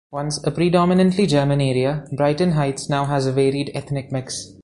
Once a predominantly German area, Brighton Heights now has a varied ethnic mix.